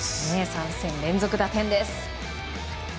３戦連続打点です！